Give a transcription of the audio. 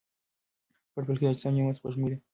پټ فلکي اجسام نیمه سپوږمۍ دي.